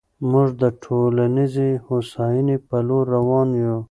موږ د ټولنیزې هوساینې په لور روان یو.